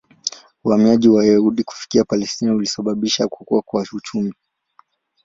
Uhamiaji wa Wayahudi kufika Palestina ulisababisha kukua kwa uchumi.